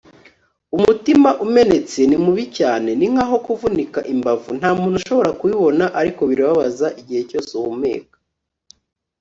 umutima umenetse ni mubi cyane. ninkaho kuvunika imbavu. nta muntu ushobora kubibona, ariko birababaza igihe cyose uhumeka